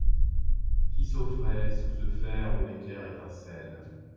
Qui s'offrait, sous ce fer où l'éclair étincelle